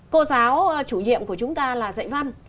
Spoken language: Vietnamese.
cô giáo chủ nhiệm của chúng ta là dạy văn